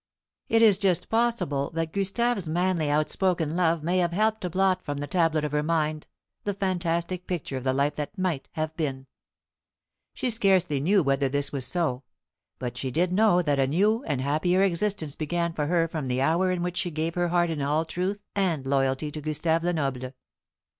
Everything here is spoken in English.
It is just possible that Gustave's manly outspoken love may have helped to blot from the tablet of her mind the fantastic picture of the life that might have been. She scarcely knew whether this was so; but she did know that a new and happier existence began for her from the hour in which she gave her heart in all truth and loyalty to Gustave Lenoble.